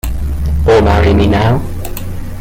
Or marry me now.